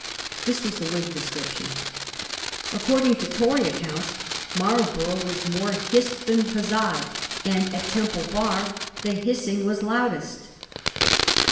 This was the Whig description. According to Tory accounts Marlborough was more hissed than huzzaed, and at Temple Bar the hissing was loudest.